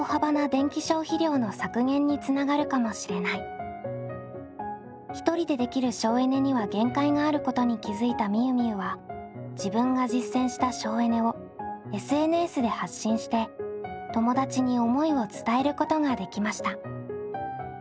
続くステップ③の課題は一人でできる省エネには限界があることに気付いたみゆみゆは自分が実践した省エネをＳＮＳで発信して友達に思いを伝えることができました。